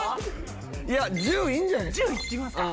いや１０いいんじゃないですか？